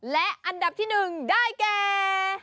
และอันดับที่หนึ่งได้แก่